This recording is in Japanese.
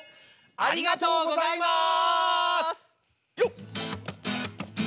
ありがとうございます。